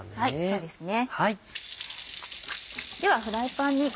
そうですね